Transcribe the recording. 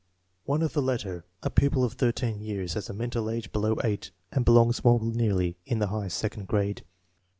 One of the latter, a pupil of 13 years, has a mental age below 8 and belongs more nearly in the high second grade.